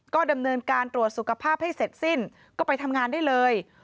ก็ดำเนินการตรวจสุขภาพให้เสร็จสิ้นก็ไปทำงานได้เลย